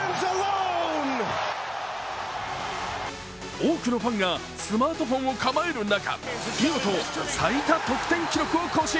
多くのファンがスマートフォンを構える中、見事、最多得点記録を更新。